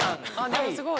でもすごい！